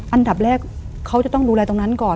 อันดับแรกเขาจะต้องดูแลตรงนั้นก่อน